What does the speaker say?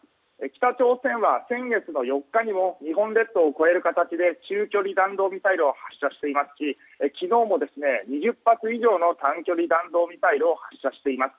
北朝鮮は先月の４日にも日本列島を越える形で中距離弾道ミサイルを発射していますし昨日も２０発以上の短距離弾道ミサイルを発射しています。